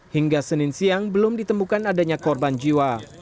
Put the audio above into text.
hingga senin siang belum ditemukan adanya korban jiwa